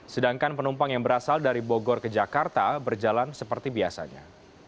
sedangkan penumpang yang berasal dari bogor ke jakarta berjalan seperti biasanya